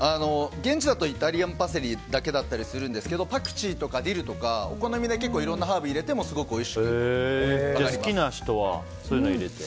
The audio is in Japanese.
現地だとイタリアンパセリだけだったりするんですけどパクチーとかディルとかお好みで結構いろんなハーブ入れてもじゃあ、好きな人はそういうの入れて。